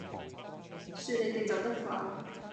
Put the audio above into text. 算你哋走得快